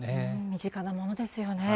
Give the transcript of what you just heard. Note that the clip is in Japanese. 身近なものですよね。